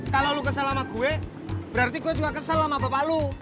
kalau lo kesel sama gue berarti gue juga kesal sama bapak lu